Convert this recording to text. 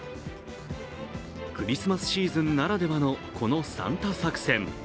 クリスマスシーズンならではのこのサンタ作戦。